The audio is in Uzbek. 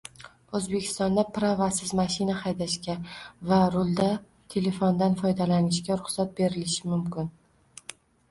O‘zbekistonda “prava”siz mashina haydashga va rulda telefondan foydalanishga ruxsat berilishi mumkin